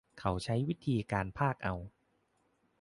เขาใช้วิธีการพากย์เอา